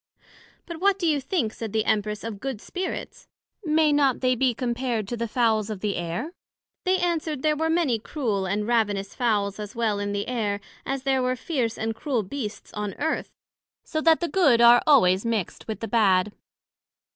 But what do you think, said the Empress, of good Spirits? may not they be compared to the Fowls of the Air? They answered, There were many cruel and ravenous Fowls as well in the Air, as there were fierce and cruel Beasts on Earth; so that the good are always mixt with the bad.